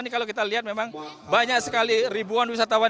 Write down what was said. ini kalau kita lihat memang banyak sekali ribuan wisatawan